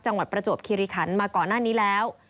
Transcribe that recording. จังหวัดประจวบคิริขันมาก่อนหน้านี้แล้ว